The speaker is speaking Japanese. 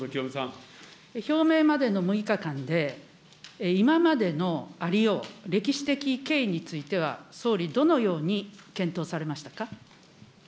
表明までの６日間で、今までのありよう、歴史的経緯については、総理、どのように検討されましたか。